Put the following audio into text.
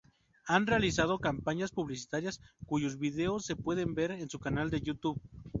Han realizado campañas publicitarias cuyos videos se pueden ver en su canal de YouTube.